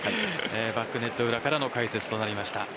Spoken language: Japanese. バックネット裏からの解説となりました。